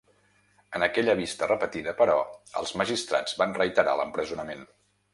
En aquella vista repetida, però, els magistrats van reiterar l’empresonament.